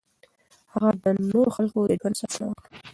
هغه د نورو خلکو د ژوند ساتنه وکړه.